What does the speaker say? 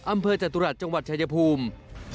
อำเภอจัตรุรัติจังหวัดชายภูมิ